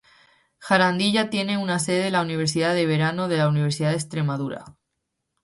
Jarandilla tiene una sede de la Universidad de Verano de la Universidad de Extremadura.